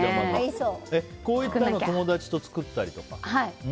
こういったのを友達と作ったりとか。